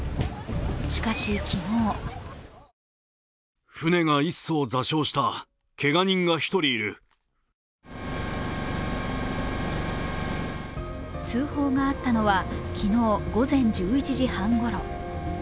しかし、昨日通報があったのは昨日午前１１時半ごろ。